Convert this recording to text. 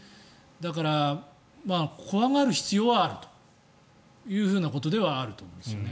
だから、怖がる必要はあるということではあると思うんですよね。